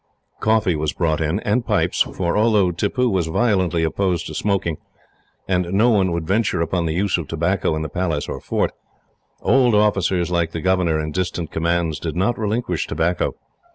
Coffee was brought in, and pipes, for although Tippoo was violently opposed to smoking, and no one would venture upon the use of tobacco in the Palace or fort, old officers like the governor, in distant commands, did not relinquish tobacco.